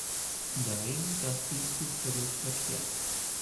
Nein, das siehst du völlig verkehrt.